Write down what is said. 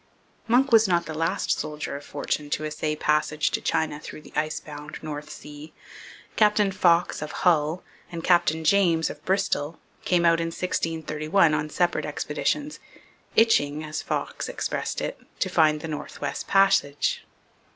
Munck was not the last soldier of fortune to essay passage to China through the ice bound North Sea. Captain Fox of Hull and Captain James of Bristol came out in 1631 on separate expeditions, 'itching,' as Fox expressed it, to find the North West Passage.